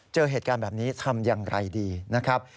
เจอเหตุการณ์แบบนี้ทำอย่างไรดีนะครับ